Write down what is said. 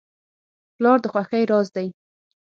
پلار د خوښۍ راز دی.